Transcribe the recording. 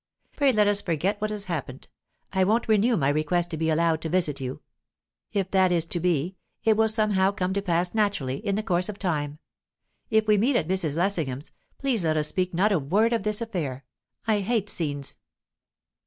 Pray let us forget what has happened. I won't renew my request to be allowed to visit you; if that is to be, it will somehow come to pass naturally, in the course of time. If we meet at Mrs. Lessingham's, please let us speak not a word of this affair. I hate scenes."